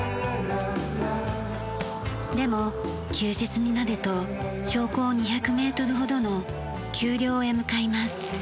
でも休日になると標高２００メートルほどの丘陵へ向かいます。